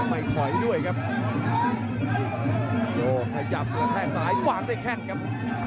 มันไปคอยด้วยครับโหหยับตัวแทกซ้ายหวังได้แค่นครับ